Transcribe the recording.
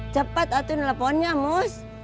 cepat aturin teleponnya mus